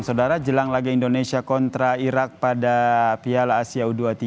saudara jelang laga indonesia kontra irak pada piala asia u dua puluh tiga